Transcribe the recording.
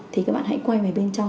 thì các bạn hãy quay về bên trong